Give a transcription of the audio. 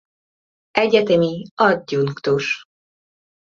Egyetemi adjunktus.